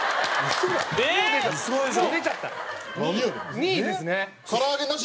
２位ですね。